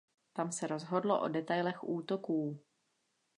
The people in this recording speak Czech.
Tam se rozhodlo o detailech útoků.